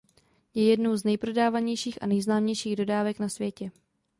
Je jednou z nejprodávanějších a nejznámějších dodávek na světě.